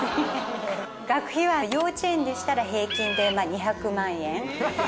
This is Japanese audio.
学費は幼稚園でしたら平均で２００万円。